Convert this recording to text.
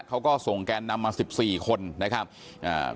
เขาก็ส่งแกนนำมาสิบสี่คนนะครับอ่า